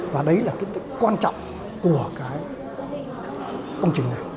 và đấy là cái quan trọng của cái công trình này